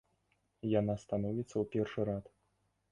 Яна становіцца ў першы рад.